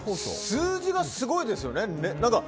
数字がすごいですよね。